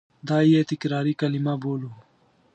دا یې تکراري کلیمه بولو.